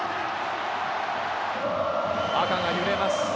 赤が揺れます。